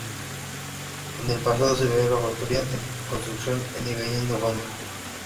En el Pasado se ve la factoría en construcción, con el cañón de fondo.